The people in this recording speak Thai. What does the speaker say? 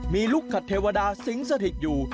มีลูกขัดเทวดาสิงสถิตอยู่